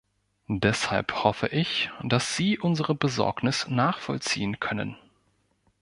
Deshalb hoffe ich, dass Sie unsere Besorgnis nachvollziehen können.